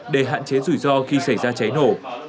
để hạn chế rủi ro khi xảy ra cháy nổ